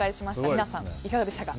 皆さん、いかがでしたか？